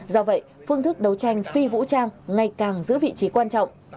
do vậy phương thức đấu tranh phi vũ trang ngày càng giữ vị trí quan trọng